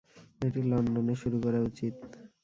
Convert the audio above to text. এটি লন্ডনে শুরু করা উচিত।